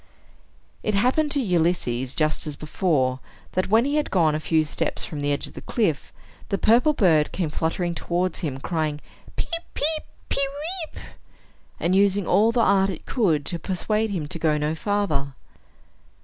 It happened to Ulysses, just as before, that, when he had gone a few steps from the edge of the cliff, the purple bird came fluttering towards him, crying, "Peep, peep, pe weep!" and using all the art it could to persuade him to go no farther.